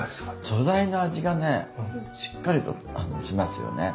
素材の味がねしっかりとしますよね。